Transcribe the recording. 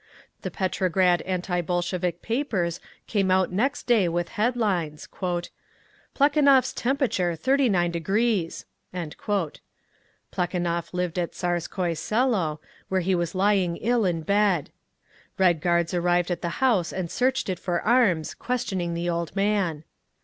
The Petrograd anti Bolshevik papers came out next day with headlines, "Plekhanov's temperature 39 degrees!" Plekhanov lived at Tsarskoye Selo, where he was lying ill in bed. Red Guards arrived at the house and searched it for arms, questioning the old man.